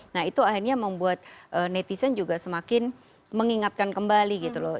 nah itu akhirnya membuat netizen juga semakin mengingatkan kembali gitu loh